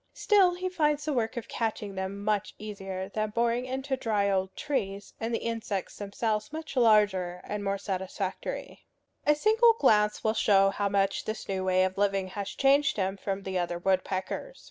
Still he finds the work of catching them much easier than boring into dry old trees, and the insects themselves much larger and more satisfactory. A single glance will show how much this new way of living has changed him from the other woodpeckers.